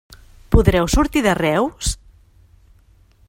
Podreu sortir de Reus?